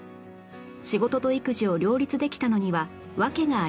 仕事と育児を両立できたのには訳がありました